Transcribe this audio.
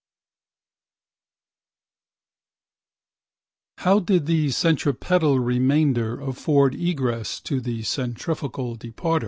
How did the centripetal remainer afford egress to the centrifugal departer?